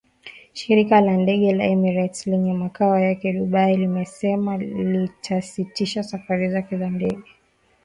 Shirika la ndege la Emirates lenye makao yake Dubai limesema litasitisha safari zake za ndege